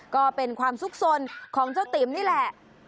ก็เป็นความสุขสนของเจ้าติ๋มนี่แหละ